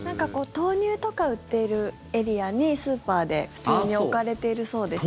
豆乳とか売っているエリアにスーパーで普通に置かれているそうです。